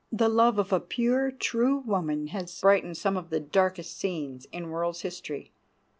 The love of a pure, true woman has brightened some of the darkest scenes in the world's history.